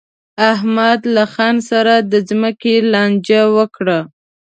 احمد له خان سره د ځمکې لانجه وکړه.